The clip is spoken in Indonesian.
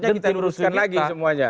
jadi saf nya kita luruskan lagi semuanya